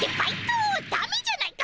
だめじゃないか！